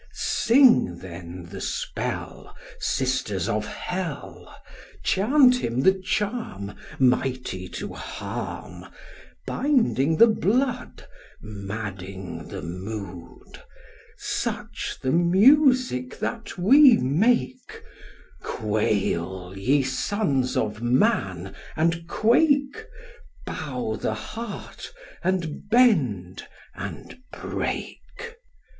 Sing then the spell, Sisters of hell; Chant him the charm Mighty to harm, Binding the blood, Madding the mood; Such the music that we make: Quail, ye sons of man, and quake, Bow the heart, and bend, and break!